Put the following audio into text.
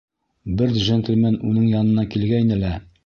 Бер джентльмен уның янына килгәйне лә...